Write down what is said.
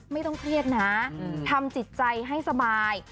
ไม่ต้องเครียดนะทำจิตใจให้สบาย